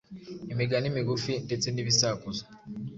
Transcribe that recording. imigani migufi ndetse n’ibisakuzo